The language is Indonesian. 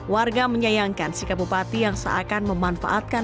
warga menyayangkan sikap bupati yang seakan memanfaatkan